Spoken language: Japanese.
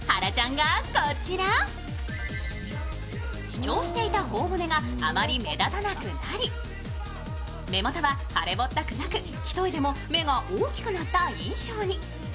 主張していたほお骨があまり目立たなくなり目元は腫れぼったくなく一重でも目が大きくなった印象に。